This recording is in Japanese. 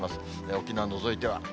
沖縄を除いては。